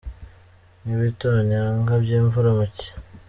Nk’ ibitonyanga by’ imvura mu cyi.